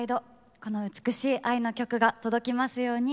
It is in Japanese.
この美しい愛の曲が届きますように。